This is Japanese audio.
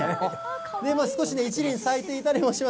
少しね、１輪咲いていたりもします。